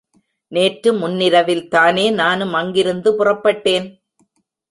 நேற்று முன்னிரவில்தானே நானும் அங்கிருந்து புறப்பட்டேன்?